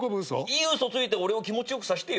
いい嘘ついて俺を気持ちよくさせてよ。